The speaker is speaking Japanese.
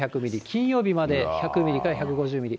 金曜日まで１００ミリから１５０ミリ。